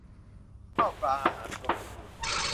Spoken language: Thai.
ข้าวปลาอาหาร อุดมสมบูรณ์